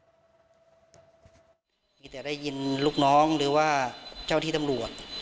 มีแต่ได้ยินลูกน้องหรือว่าเจ้าที่ตำรวจ